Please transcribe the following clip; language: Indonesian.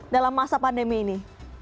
dalam masa pandemi ini